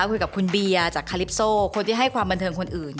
คุยกับคุณเบียร์จากคาลิปโซคนที่ให้ความบันเทิงคนอื่น